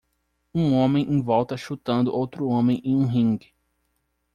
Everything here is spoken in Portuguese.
Um homem em volta chutando outro homem em um ringue.